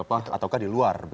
atau di luar